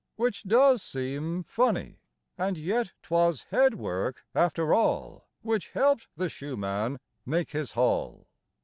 Which does seem funny; And yet 'twas head work, after all, Which helped the shoe man make his haul.